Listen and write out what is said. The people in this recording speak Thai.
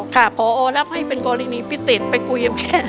ค่ะพอรับให้เป็นกรณีพิเศษไปกุย